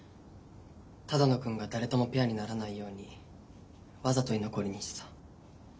只野くんが誰ともペアにならないようにわざと居残りにしてた。